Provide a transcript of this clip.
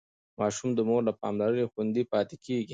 ماشوم د مور له پاملرنې خوندي پاتې کېږي.